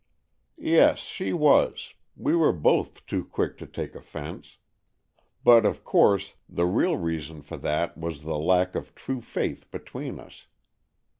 "Yes, she was; we were both too quick to take offense, but, of course, the real reason for that was the lack of true faith between us.